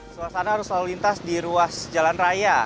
suasana harus selalu lintas di ruas jalan raya